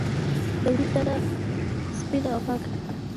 د وریجو دانه سپینه او پاکه وي.